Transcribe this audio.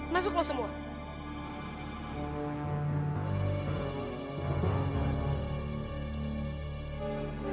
masuk lo semua